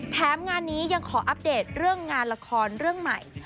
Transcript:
แถมงานนี้ยังขออัปเดตเรื่องงานละครเรื่องใหม่